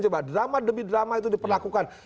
coba drama demi drama itu diperlakukan